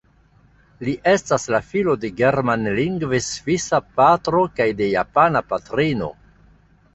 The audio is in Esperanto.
Li estas la filo de germanlingve svisa patro kaj de japana patrino.